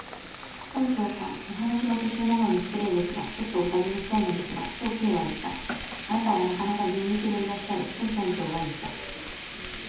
「村長さん、お話の途中なのに失礼ですが、ちょっとおたずねしたいのですが」と、Ｋ はいった。「あなたはなかなか厳密でいらっしゃる」と、村長はいった。